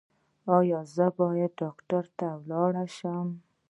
ایا زه باید ډاکټر ته لاړ شم؟